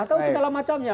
atau segala macamnya